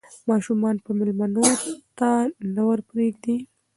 ماشومان به مېلمنو ته نه ور پرېږدي.